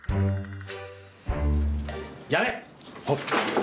やめ！